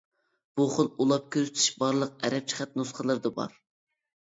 بۇ خىل ئۇلاپ كۆرسىتىش بارلىق ئەرەبچە خەت نۇسخىلىرىدا بار.